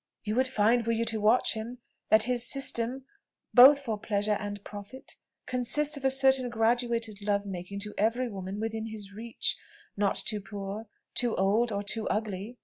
"You would find, were you to watch him, that his system, both for pleasure and profit, consists of a certain graduated love making to every woman within his reach, not too poor, too old, or too ugly.